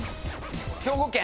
兵庫県。